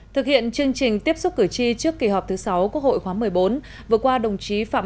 thực hiện chương trình tiếp xúc cử tri trước kỳ họp thứ sáu quốc hội khóa một mươi bốn vừa qua đồng chí phạm